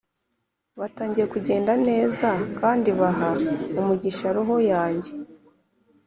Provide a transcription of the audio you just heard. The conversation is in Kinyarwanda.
batangiye kugenda neza kandi baha umugisha roho yanjye